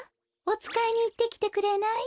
おつかいにいってきてくれない？